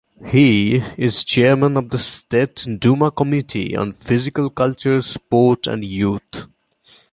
He is chairman of the State Duma Committee on Physical Culture, Sport, and Youth.